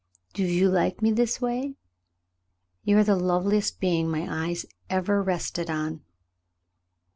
Do vou like me this way, "You are the loveliest being my ej^es ever rested on."